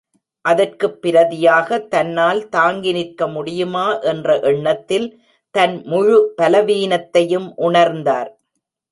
அதற்குப் பிரதியாக, தன்னால் தாங்கி நிற்க முடியுமா என்ற எண்ணத்தில் தன் முழு பலவீனத்தையும் உணர்ந்தார்.